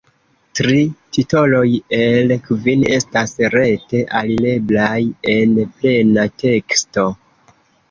Tri titoloj el kvin estas rete alireblaj en plena teksto.